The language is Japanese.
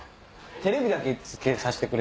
テレビだけつけさせてくれ！